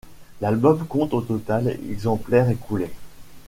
L'album compte au total exemplaires écoulés.